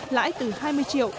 lãi từ hai mươi triệu